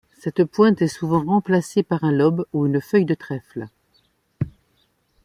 Cette pointe est souvent remplacée par un lobe ou une feuille de trèfle.